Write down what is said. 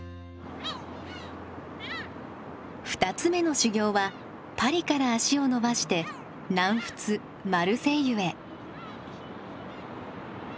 ２つ目の修業はパリから足を延ばして南仏マルセイユへ。